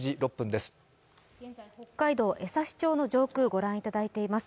現在、北海道江差町の上空ご覧いただいています。